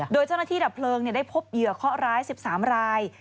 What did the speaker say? โดยเจ้าหน้าที่ดับเพลิงได้พบเหยื่อเคาะร้าย๑๓ราย